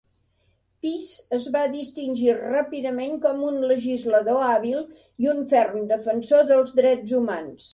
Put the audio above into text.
Pease es va distingir ràpidament com un legislador hàbil i un ferm defensor dels drets humans.